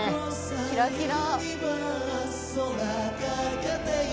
キラキラ。